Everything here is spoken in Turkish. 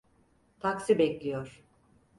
Taksi bekliyor.